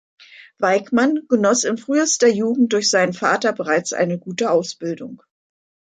Weickmann genoss in frühester Jugend durch seinen Vater bereits eine gute Ausbildung.